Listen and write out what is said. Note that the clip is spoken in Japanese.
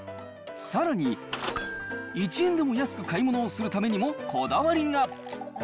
さらに、１円でも安く買い物をするためにも、こだわりが。